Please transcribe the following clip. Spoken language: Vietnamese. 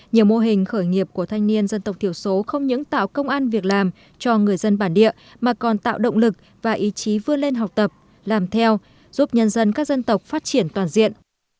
nhiều mô hình khởi nghiệp của thanh niên dân tộc thiểu số không những tạo công an việc làm cho người dân bản địa mà còn tạo động lực và ý chí vươn lên học tập làm theo giúp nhân dân các dân tộc phát triển toàn diện